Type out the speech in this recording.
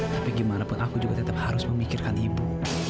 tapi gimana pun aku juga tetap harus memikirkan ibu